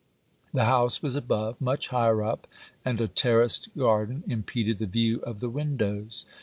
The house was above, much higher up, and a terraced garden impeded the view of the windows.